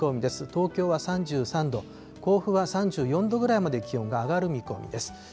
東京は３３度、甲府は３４度ぐらいまで気温が上がる見込みです。